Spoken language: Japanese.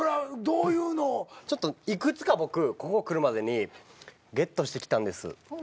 幾つか僕ここ来るまでにゲットしてきたんです。